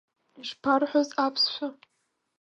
Ишԥарҳәоз аԥсшәа?